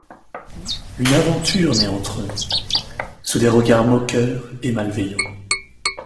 Une aventure naît entre eux, sous des regards moqueurs et malveillants.